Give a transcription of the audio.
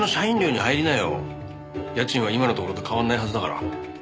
家賃は今のところと変わらないはずだから。